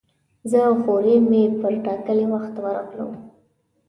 زه او خوریی مې پر ټاکلي وخت ورغلو.